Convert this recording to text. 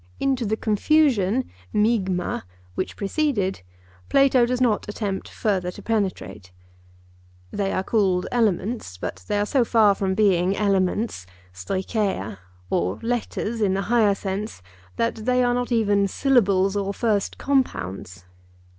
Into the confusion (Greek) which preceded Plato does not attempt further to penetrate. They are called elements, but they are so far from being elements (Greek) or letters in the higher sense that they are not even syllables or first compounds.